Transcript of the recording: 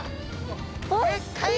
おっきい！